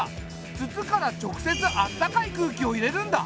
筒から直接あったかい空気を入れるんだ。